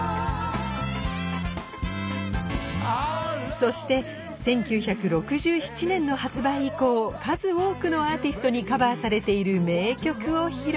そして１９６７年の発売以降数多くのアーティストにカバーされている名曲を披露